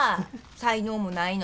才能もないのに。